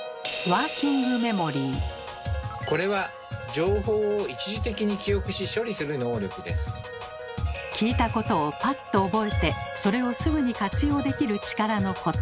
そして聞いたことをパッと覚えてそれをすぐに活用できる力のこと。